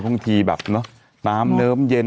บางทีแบบน้ำเนิมเย็น